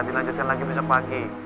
dilanjutkan lagi besok pagi